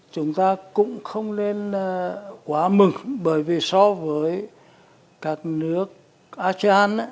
chúng ta cũng không nên quá mừng bởi vì so với các nước asean